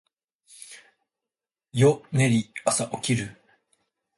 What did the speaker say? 夜眠り、朝起きる